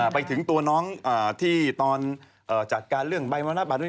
ไปถึงตัวน้องที่ตอนจัดการเรื่องใบมรณบัตรด้วย